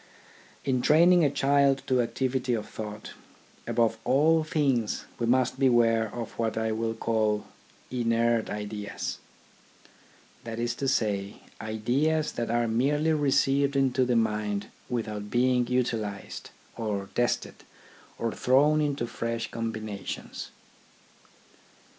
In training a child to activity of thought, above all things we must beware of what I will call " inert ideas " — that is to say, ideas that are merely received into the mind without being utilised, or tested, or thrown into fresh combinations.